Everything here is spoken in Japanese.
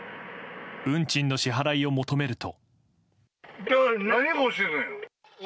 運賃の支払いを求めると。